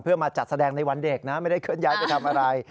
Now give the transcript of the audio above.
เพื่อมาจัดแสดงในวันเด็กนะไม่ได้เคลื่อนย้ายไปทำอะไร